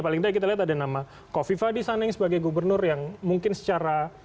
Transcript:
paling tidak kita lihat ada nama kofifa di sana yang sebagai gubernur yang mungkin secara